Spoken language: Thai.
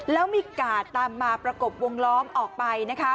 แล้วมีกาดตามมาประกบวงล้อมออกไปนะคะ